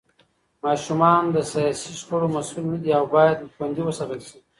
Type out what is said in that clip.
ماشومان د سياسي شخړو مسوول نه دي او بايد خوندي وساتل شي.